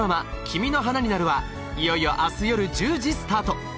「君の花になる」はいよいよ明日夜１０時スタート